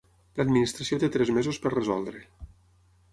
L'Administració té tres mesos per resoldre.